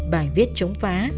bài viết chống phá